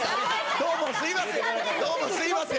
どうもすみません！